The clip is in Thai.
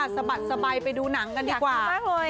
สะบัดสบายไปดูหนังกันดีกว่า